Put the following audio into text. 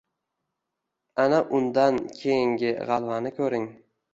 Ana undan keyingi g‘alvani ko‘ring